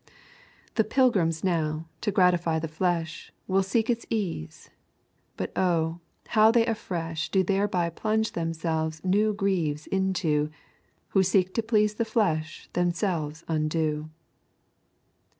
The Pilgrims now, to gratify the flesh, Will seek its ease; but oh! how they afresh Do thereby plunge themselves new grieves into: Who seek to please the flesh themselves undo.